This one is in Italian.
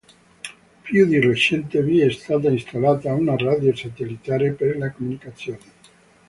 Più di recente vi è stata installata una radio satellitare per le comunicazioni.